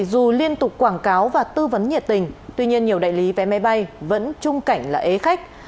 dù liên tục quảng cáo và tư vấn nhiệt tình tuy nhiên nhiều đại lý vé máy bay vẫn trung cảnh là ế khách